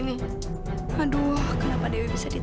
nggak ada dewi